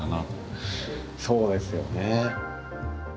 そうですよね。